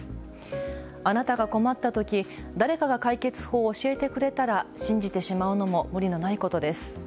あなたが困ったとき誰かが解決法を教えてくれたら信じてしまうのも無理のないことです。